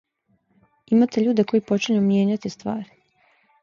Имате људе који почињу мијењати ствари.